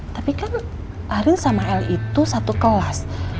tapi kan arin sama l itu satu kelas